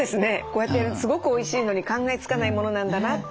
こうやってすごくおいしいのに考えつかないものなんだなって。